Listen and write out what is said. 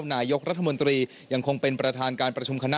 นายกรัฐมนตรียังคงเป็นประธานการประชุมคณะ